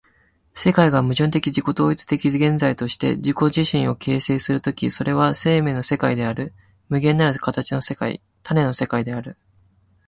世界が矛盾的自己同一的現在として自己自身を形成する時、それは生命の世界である、無限なる形の世界、種の世界である。